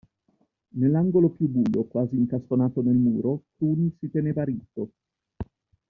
Nell'angolo più buio, quasi incastonato nel muro, Cruni si teneva ritto.